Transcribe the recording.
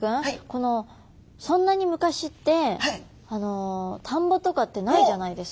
このそんなに昔って田んぼとかってないじゃないですか。